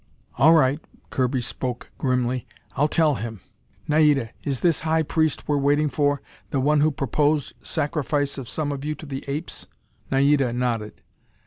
"All right," Kirby spoke grimly. "I'll tell him. Naida, is this high priest we're waiting for, the one who proposed sacrifice of some of you to the apes?" Naida nodded.